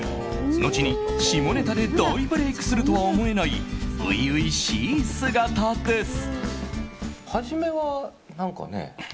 後に下ネタで大ブレークするとは思えない、初々しい姿です。